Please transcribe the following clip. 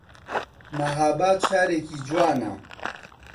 مەهاباد شارێکی جوانە